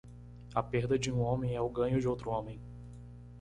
A perda de um homem é o ganho de outro homem.